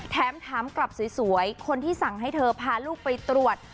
แถมถามกลับสวยคนที่สั่งให้เธอพาลูกไปตรวจ